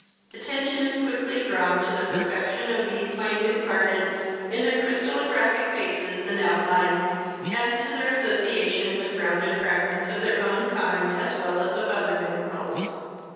Attention is quickly drawn to the perfection of these minute garnets in their crystallographic faces and out lines, and to their association with rounded fragments of their own kind as well as of other minerals.